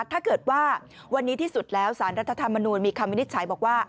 ถ้าเกิดว่าวันนี้ที่สุดแล้วสารรัฐธรรมนูลมีคำวินิจฉัยบอกว่า